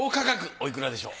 おいくらでしょう？